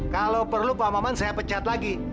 kalau perlu pak maman saya pecat lagi